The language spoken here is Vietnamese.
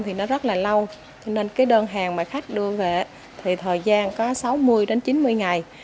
thì nó rất là lâu cho nên cái đơn hàng mà khách đưa về thì thời gian có sáu mươi đến chín mươi ngày